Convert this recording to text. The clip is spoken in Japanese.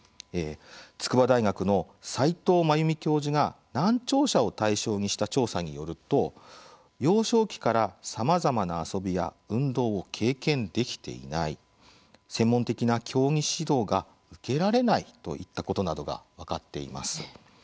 筑波大学の齊藤まゆみ教授が難聴者を対象にした調査によると幼少期からさまざまな遊びや運動を経験できていない専門的な競技指導が受けられないといったことなどが分かっています。